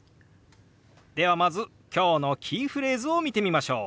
ではまず今日のキーフレーズを見てみましょう。